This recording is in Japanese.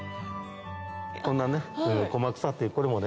こんなねコマクサっていうこれもね